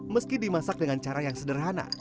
meski dimasak dengan cara yang sederhana